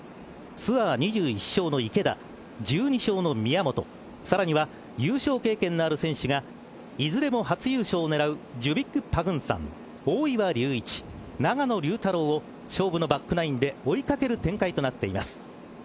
ツアー２１勝の池田１２勝の宮本さらには優勝経験のある選手がいずれも初優勝を狙うジュビック・パグンサン大岩龍一、永野竜太郎を勝負のバックナインで追い掛ける展開となっています。